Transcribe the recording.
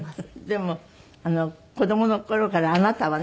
でも子供の頃からあなたはね